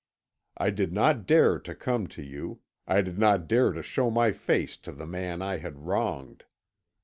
I did not dare to come to you I did not dare to show my face to the man I had wronged.